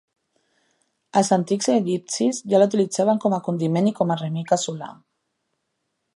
Els antics egipcis ja la utilitzaven com a condiment i com a remei casolà.